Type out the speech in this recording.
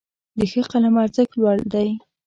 د ښه قلم ارزښت لوړ دی.